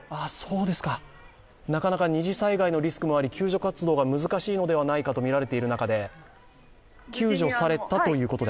なかなか二次災害のリスクもあり、救助活動が難しいのではないかとみられている中で救助されたということで。